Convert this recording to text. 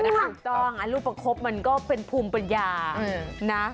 ถูกต้องลูกประคบมันก็เป็นภูมิปัญญานะ